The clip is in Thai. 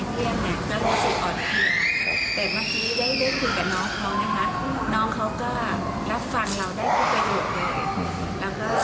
วันนี้น้องเขาหนีขึ้นนะคะถ้าดูจากเมื่อวานที่แพทย์พูดว่ามาเยี่ยมเนี่ยก็รู้สึกอ่อนเกียจ